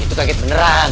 itu kaget beneran